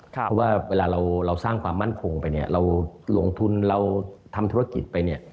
เพราะว่าเวลาเราสร้างความมั่นคงไปเนี่ยเราลงทุนเราทำธุรกิจไปเนี่ย